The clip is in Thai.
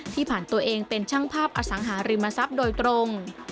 ผ่านตัวเองเป็นช่างภาพอสังหาริมทรัพย์โดยตรง